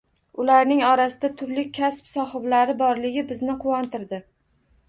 Ularning orasida turli kasb sohiblari borligi bizni quvontirdi.